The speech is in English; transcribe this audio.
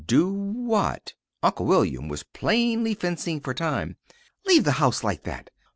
"Do what?" Uncle William was plainly fencing for time. "Leave the house like that?"